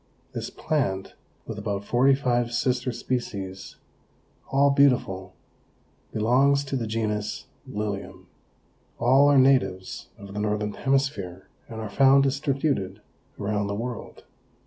This plant, with about forty five sister species all beautiful, belongs to the genus Lilium. All are natives of the Northern Hemisphere and are found distributed around the world.